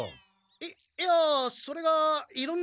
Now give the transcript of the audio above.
いいやそれがいろんな事情で。